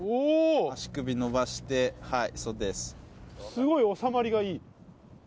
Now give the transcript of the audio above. すごい、収まりがいい。